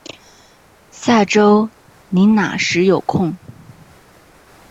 下周你那时有空